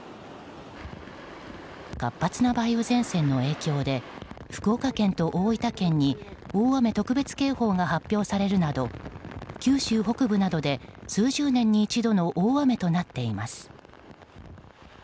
活発な梅雨前線の影響で福岡県と大分県に大雨特別警報が発表されるなど九州北部などで数十年に一度の大雨となっています。